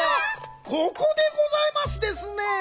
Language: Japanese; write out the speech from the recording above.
ここでございますですね。